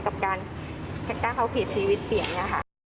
กับการก้าวผิดชีวิตเปลี่ยนนะคะ